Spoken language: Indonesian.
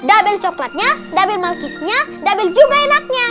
dabel coklatnya dabel malkisnya dabel juga enaknya